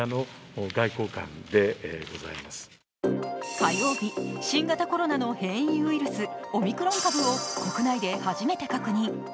火曜日、新型コロナの変異ウイルス、オミクロン株を国内で初めて確認。